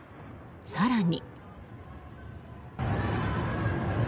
更に。